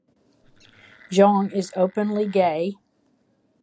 Jong is openly gay.